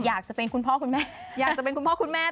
อยากจะเป็นคุณพ่อคุณแม่